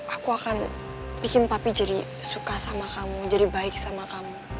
aku akan bikin papi jadi suka sama kamu jadi baik sama kamu